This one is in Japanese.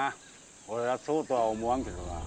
俺はそうとは思わんけどな。